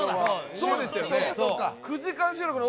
そうでしたよね。